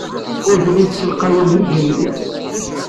Ur telli tessalqay imerjan-nni.